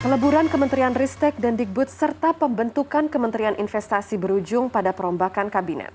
peleburan kementerian ristek dan digbud serta pembentukan kementerian investasi berujung pada perombakan kabinet